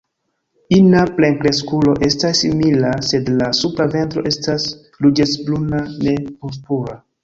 Ina plenkreskulo estas simila, sed la supra ventro estas ruĝecbruna, ne purpura.